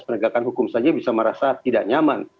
penegakan hukum saja bisa merasa tidak nyaman